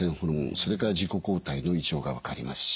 それから自己抗体の異常が分かりますし